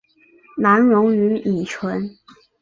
难溶于乙醇。